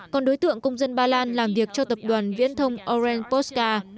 còn đối tượng công dân ba lan làm việc cho tập đoàn viễn thông orange posca